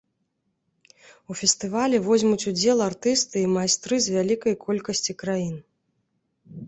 У фестывалі возьмуць удзел артысты і майстры з вялікай колькасці краін.